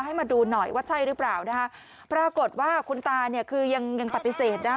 ให้มาดูหน่อยว่าใช่หรือเปล่านะคะปรากฏว่าคุณตาเนี่ยคือยังยังปฏิเสธนะ